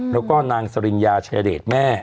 แล้วก็นางสริญญาชายเดชแม่